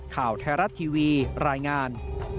ข่าวไทยรัฐทีวีรายงาน